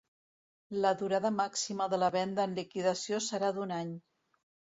La durada màxima de la venda en liquidació serà d'un any.